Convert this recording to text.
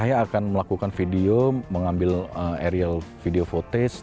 saya akan melakukan video mengambil aerial video footage